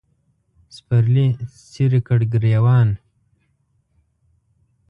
سپرلي څیرې کړ ګرېوان